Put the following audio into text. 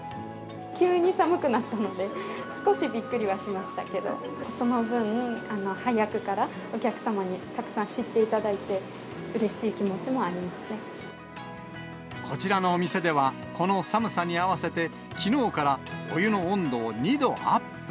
急に寒くなったので、少しびっくりはしましたけど、その分、早くからお客様にたくさん知っていただいて、こちらのお店では、この寒さに合わせて、きのうから、お湯の温度を２度アップ。